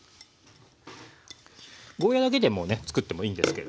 ゴーヤーだけでもねつくってもいいんですけれどもね